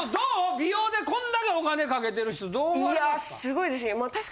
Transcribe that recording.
美容でこんだけお金かけてる人どう思われますか？